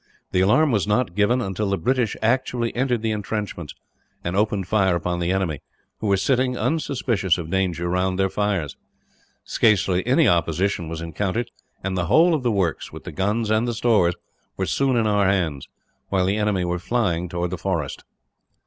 The alarm was not given until the British actually entered the entrenchments, and opened fire upon the enemy; who were sitting, unsuspicious of danger, round their fires. Scarcely any opposition was encountered, and the whole of the works, with the guns and the stores, were soon in our hands; while the enemy were flying towards the forest.